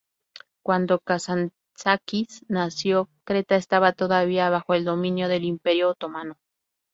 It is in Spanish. Cuando Kazantzakis nació, Creta estaba todavía bajo el dominio del Imperio otomano.